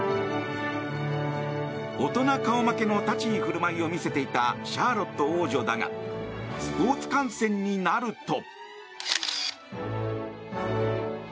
大人顔負けの立ち居振る舞いを見せていたシャーロット王女だがスポーツ観戦になると。